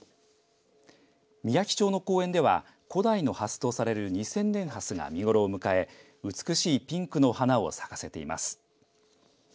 みやき町の公園では古代のハスとされる二千年ハスが見頃を迎え、美しいピンクの花を咲かせています。